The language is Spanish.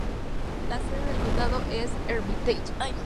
La sede del condado es Hermitage.